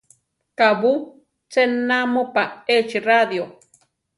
¿Kabú ché namúpa échi radio?